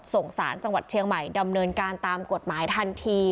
ส่งสารจังหวัดเชียงใหม่ดำเนินการตามกฎหมายทันที